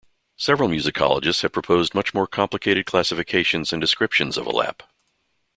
Several musicologists have proposed much more complicated classifications and descriptions of alap.